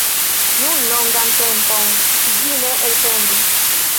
Nun longan tempon ĝi ne elsendis.